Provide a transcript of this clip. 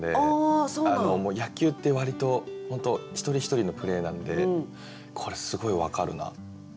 もう野球って割と本当一人一人のプレーなんでこれすごい分かるな。